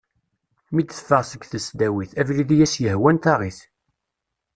Mi d-teffeɣ seg tesdawit, abrid i as-yehwan taɣ-it.